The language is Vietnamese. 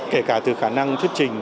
kể cả từ khả năng thuyết trình